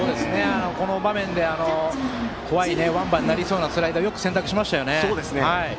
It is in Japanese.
この場面で怖い、ワンバンになりそうなスライダーをよく選択しましたね。